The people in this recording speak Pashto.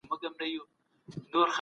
که زکات کفایت ونه کړي نو حکومت څه کوي؟